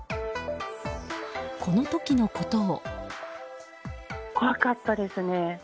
この時のことを。